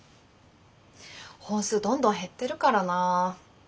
本数どんどん減ってるからなあ。